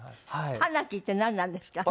「パナキ」ってなんなんですか？